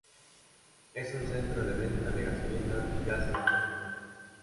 Es un centro de venta de gasolina y gas en la zona.